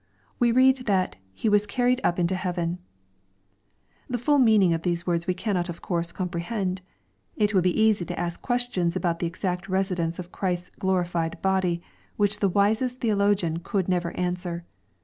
We read that " He was carried up into heaven." The full meaning of these words we cannot of course comprehend. It would be easy to ask questions about the exact residence of Christ's glorified body, which the wisest theologian could never answer.